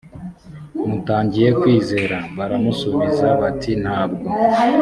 mutangiye kwizera baramusubiza bati ntabwo